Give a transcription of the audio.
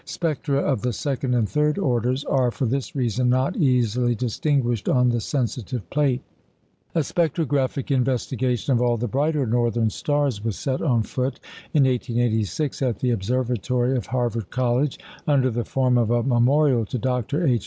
Spectra of the second and third orders are for this reason not easily distinguished on the sensitive plate. A spectrographic investigation of all the brighter northern stars was set on foot in 1886 at the observatory of Harvard College, under the form of a memorial to Dr. H.